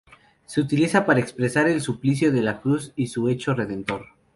Se utiliza para expresar el suplicio de la Cruz y su hecho Redentor.